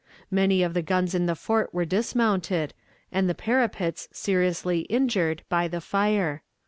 Many of the guns in the fort were dismounted, and the parapets seriously injured, by the fire.